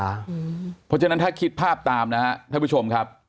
เพราะฉะนั้นถ้าคิดภาพตามนะครับท่านผู้ชมครับ